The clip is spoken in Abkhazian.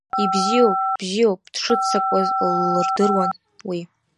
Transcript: Ибзиоуп, бзиоуп, дшыццакуаз ллырдыруан уи.